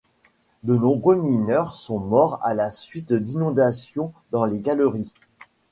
De nombreux mineurs sont morts à la suite d'inondations dans les galeries.